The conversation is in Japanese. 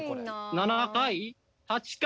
７回８回。